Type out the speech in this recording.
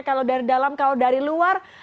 kalau dari dalam kalau dari luar